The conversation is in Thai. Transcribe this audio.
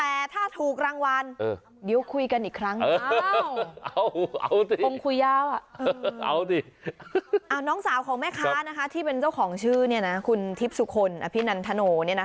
แต่ถ้าถูกรางวัลดิวคุยกันอีกครั้งเอาน้องสาวของแม่ค้าที่เป็นเจ้าของชื่อคุณทิศุคนพี่นันถโถน์